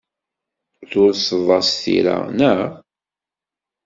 Tulseḍ-as tira, naɣ?